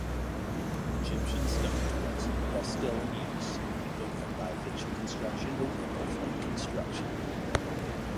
Egyptian stone tools, while still in use, moved from bifacial construction to ripple-flaked construction.